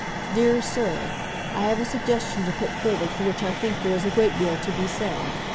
"DEAR SIR—I have a suggestion to put forward for which I think there is a great deal to be said.